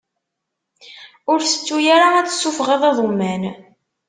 Ur tettu ara ad tessufɣeḍ iḍumman!